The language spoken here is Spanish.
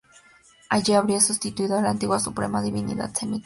Allí habría sustituido a la antigua suprema divinidad semita El.